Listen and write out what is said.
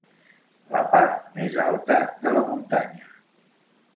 La part més alta de la muntanya.